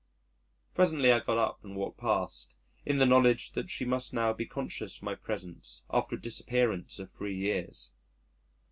Presently I got up and walked past in the knowledge that she must now be conscious of my presence after a disappearance of three years.